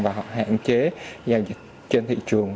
và hạn chế giao dịch trên thị trường